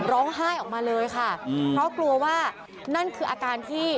ร้องไห้ออกมาเลยค่ะเพราะกลัวว่านั่นคืออาการที่